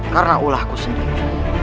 karena ulahku sendiri